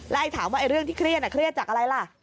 ไอ้ถามว่าเรื่องที่เครียดเครียดจากอะไรล่ะ